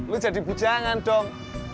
lu jadi bujangan dong